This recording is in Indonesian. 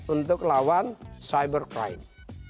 untuk lawan cyber crime